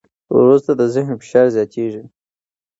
وروسته د ذهن فشار زیاتېږي.